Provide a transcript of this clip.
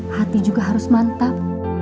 hati juga harus mantap